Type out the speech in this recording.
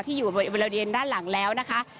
อยู่บริเวณด้านหลังแล้วนะคะ